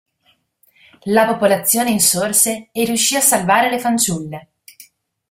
La popolazione insorse e riuscì a salvare le fanciulle.